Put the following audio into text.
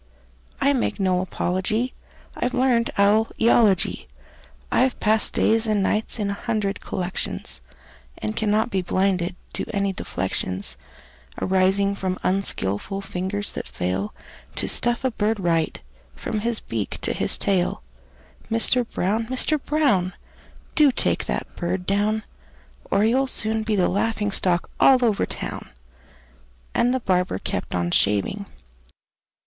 I make no apology; I've learned owl eology. I've passed days and nights in a hundred collections, And cannot be blinded to any deflections Arising from unskilful fingers that fail To stuff a bird right, from his beak to his tail. Mister Brown! Mister Brown! Do take that bird down, Or you'll soon be the laughing stock all over town!" And the barber kept on shaving.